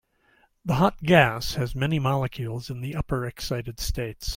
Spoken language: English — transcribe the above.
The hot gas has many molecules in the upper excited states.